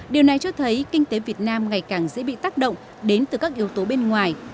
điều này cho thấy kinh tế việt nam ngày càng dễ bị tác động đến từ các yếu tố bên ngoài